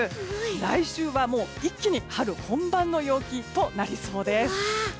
来週は一気に春本番の陽気となりそうです。